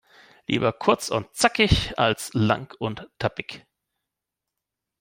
Lieber kurz und zackig als lang und tappig.